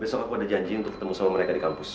besok aku ada janji untuk ketemu sama mereka di kampus